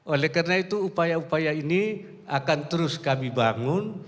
oleh karena itu upaya upaya ini akan terus kami bangun